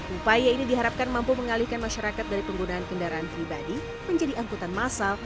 upaya ini diharapkan mampu mengalihkan masyarakat dari penggunaan kendaraan pribadi menjadi angkutan masal